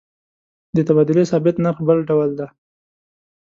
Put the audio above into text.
د تبادلې ثابت نرخ بل ډول دی.